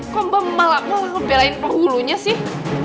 kok malah mau ngebelain penghulunya sih